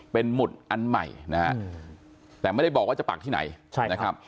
เป็นหมุดอันใหม่นะฮะแต่ไม่ได้บอกว่าจะปักที่ไหนใช่นะครับ